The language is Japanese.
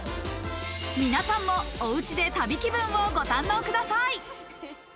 皆さんもおうちで旅気分をご堪能ください。